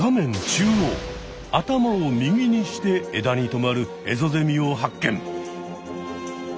中央頭を右にして枝にとまるエゾゼミを発見！